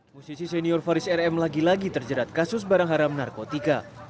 musisi senior faris rm lagi lagi terjerat kasus barang haram narkotika